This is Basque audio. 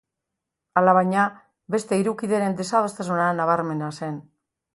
Alabaina, beste hiru kideren desadostasuna nabarmena zen.